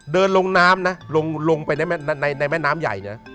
เดินลงน้ำนะลงไปในแม่น้ำใหญ่นะ